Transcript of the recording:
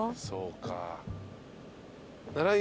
そうか。